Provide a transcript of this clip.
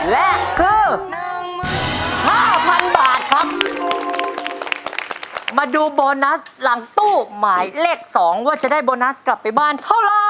และคือหนึ่งหมื่นห้าพันบาทครับมาดูโบนัสหลังตู้หมายเลขสองว่าจะได้โบนัสกลับไปบ้านเท่าไร